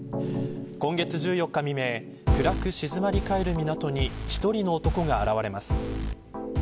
今月１４日未明暗く静まり返る港に１人の男が現れます。